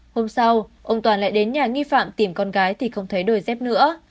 hôm sau ông toàn lại đến nhà nghi phạm tìm con gái thì không thấy đôi dép nữa